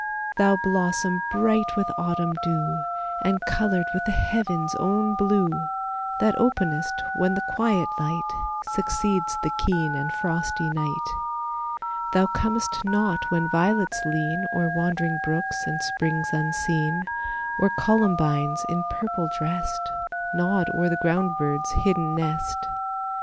Thou blossom bright with autumn dew, And colored with the heaven's own blue, That openest when the quiet light Succeeds the keen and frosty night. Thou comest not when violets lean O'er wandering brooks and springs unseen, Or columbines in purple dressed, Nod o'er the ground bird's hidden nest.